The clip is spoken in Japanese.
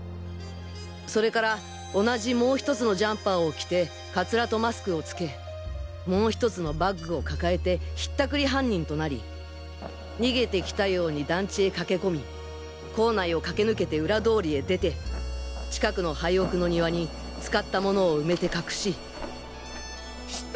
それから同じもう１つのジャンパーを着てカツラとマスクをつけもう１つのバッグを抱えて引ったくり犯人となり逃げてきたように団地へ駆け込み構内を駆け抜けて裏通りへ出て近くの廃屋の庭に使ったものを埋めて隠し。